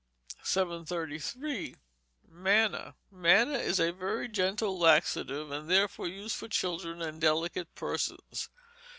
_ 733. Manna Manna is a very gentle laxative, and therefore used for children and delicate persons.